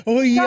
oh iya bener